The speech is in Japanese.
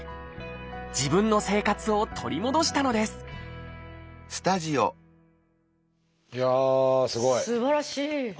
自分の生活を取り戻したのですいやあ